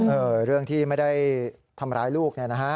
เรื่องที่ไม่ได้ทำร้ายลูกเนี่ยนะฮะ